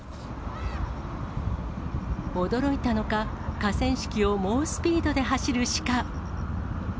驚いたのか、河川敷を猛スピードで走るシカ。